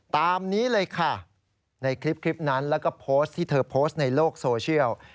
ตามนี้เลยค่ะในคลิปนั้นแล้วก็โพสต์ที่เธอโพสต์ในโลกโซเชียล